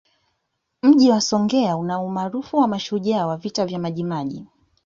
Mji wa Songea una umaarufu wa mashujaa wa Vita vya Majimaji